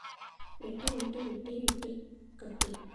எட்டு ஒட்டு விட்டு இட்டுக் கட்டு